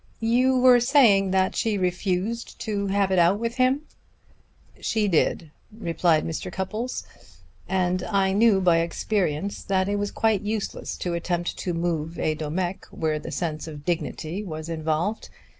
"You were saying that she refused to have it out with him." "She did," replied Mr. Cupples. "And I knew by experience that it was quite useless to attempt to move a Domecq where the sense of dignity was involved.